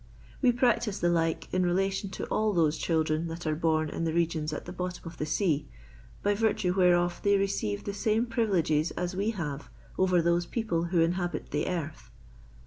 We practise the like in relation to all those children that are born in the regions at the bottom of the sea, by virtue whereof they receive the same privileges as we have over those people who inhabit the earth.